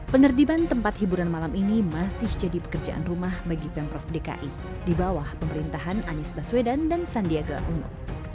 penertiban tempat hiburan malam ini masih jadi pekerjaan rumah bagi pemprov dki di bawah pemerintahan anies baswedan dan sandiaga uno